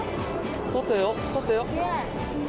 撮ってよ。